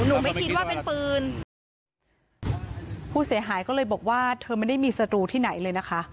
หนูไม่คิดว่าเป็นปืนผู้เสียหายก็เลยบอกว่าเธอไม่ได้มีศัตรูที่ไหนเลยนะคะ